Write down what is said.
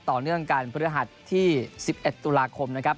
ต่อเนื่องกันพฤหัสที่๑๑ตุลาคมนะครับ